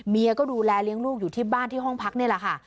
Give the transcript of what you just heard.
ก็ดูแลเลี้ยงลูกอยู่ที่บ้านที่ห้องพักนี่แหละค่ะ